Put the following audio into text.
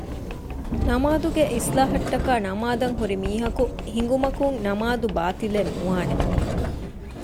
ނަމާދުގެއިޞްލާޙަށްޓަކައި ނަމާދަށްހުރިމީހަކު ހިނގުމަކުން ނަމާދު ބާޠިލެއް ނުވާނެ